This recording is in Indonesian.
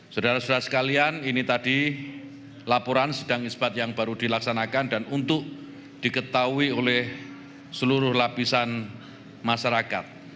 saudara saudara sekalian ini tadi laporan sidang isbat yang baru dilaksanakan dan untuk diketahui oleh seluruh lapisan masyarakat